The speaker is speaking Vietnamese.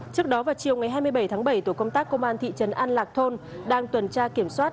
trước đó vào chiều ngày hai mươi bảy tháng bảy tổ công tác công an thị trấn an lạc thôn đang tuần tra kiểm soát